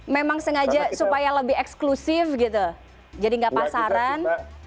memang sengaja supaya lebih eksklusif gitu jadi nggak pasaran